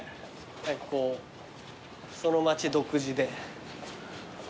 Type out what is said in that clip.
こうその街独自で。